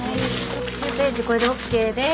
特集ページこれでＯＫです。